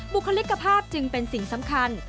บุคลิกภาพจึงเป็นสิ่งสำคัญ